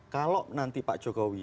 kalau nanti pak jokowi